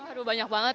aduh banyak banget